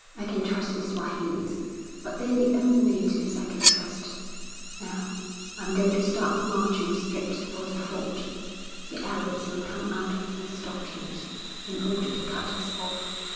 I can trust the Swahilis, but they're the only natives I can trust. Now, I'm going to start marching straight for the ford. The Arabs will come out of their stockade in order to cut us off.